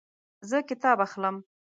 زه کتاب اخلم